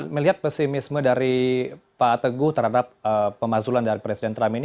melihat pesimisme dari pak teguh terhadap pemazulan dari presiden trump ini